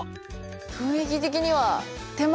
雰囲気的には手前。